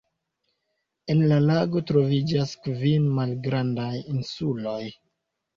En la lago troviĝas kvin malgrandaj insuloj.